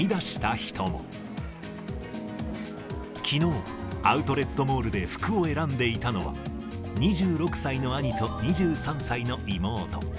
きのう、アウトレットモールで服を選んでいたのは、２６歳の兄と２３歳の妹。